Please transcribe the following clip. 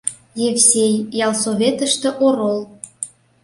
Евсей, ялсоветыште орол.